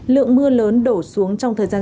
lượng mưa lớn đổ xuống trong thời gian dài